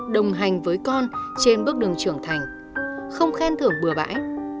đồng hành với con trên bước đường trưởng thành không khen thưởng bừa bãi